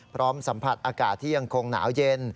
พร้อมสัมผัสอากาศที่ยังคงหนาวเย็น